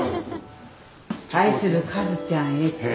「愛するカズちゃんへ」って。